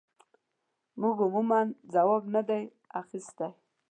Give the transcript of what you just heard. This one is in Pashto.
موږ عموماً ځواب نه دی اخیستی.